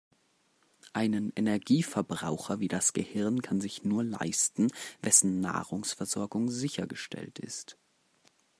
Einen Energieverbraucher wie das Gehirn kann sich nur leisten, wessen Nahrungsversorgung sichergestellt ist.